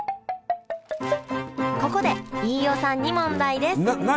ここで飯尾さんに問題です何？